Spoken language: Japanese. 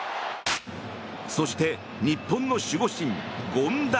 そして、日本の守護神、権田。